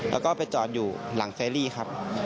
แล้วก็ไปจอดอยู่หลังเฟรี่ครับ